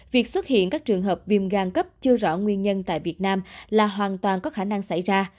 việc xuất hiện các trường hợp viêm gan cấp chưa rõ nguyên nhân tại việt nam là hoàn toàn có khả năng xảy ra